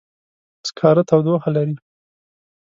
سکاره تودوخه لري.